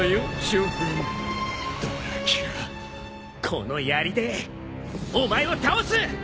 このやりでお前を倒す！